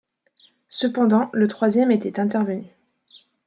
Cependant le troisième était intervenu.